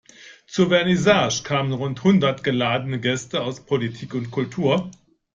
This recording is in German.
Zur Vernissage kamen rund hundert geladene Gäste aus Politik und Kultur.